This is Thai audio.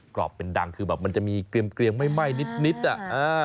กรอบเป็นดังคือมันจะมีเกรียมไม่ไหม้นิดอะ